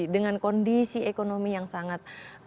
dengan kondisi ekonomi yang sangat